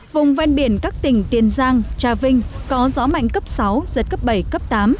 vùng ven biển các tỉnh tiền giang trà vinh có gió mạnh cấp sáu giật cấp bảy cấp tám